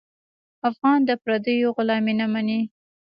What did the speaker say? افغان د پردیو غلامي نه مني.